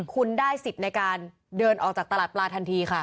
คุณได้สิทธิ์ในการเดินออกจากตลาดปลาทันทีค่ะ